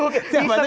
bisa aja nggak tahu